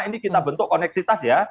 ini kita bentuk koneksitas ya